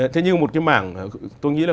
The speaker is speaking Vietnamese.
thế nhưng một cái mảng tôi nghĩ là